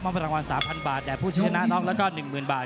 มองประรางวัลสามพันบาทแต่ผู้ชนะน้องแล้วก็หนึ่งหมื่นบาท